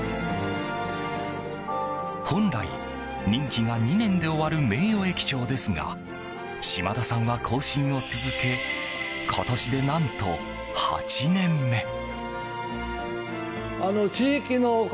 本来、任期が２年で終わる名誉駅長ですが嶋田さんは更新を続け今年で何と８年目。